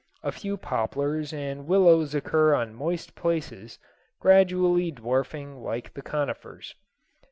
A few poplars and willows occur on moist places, gradually dwarfing like the conifers.